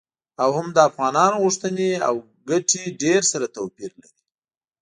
او هم د افغانانو غوښتنې او ګټې ډیر سره توپیر لري.